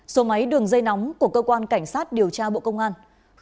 số máy đường dây nóng của cơ quan cảnh sát điều tra bộ công an